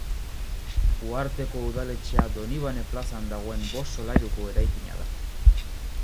Uharteko udaletxea Donibane plazan dagoen bost solairuko eraikina da.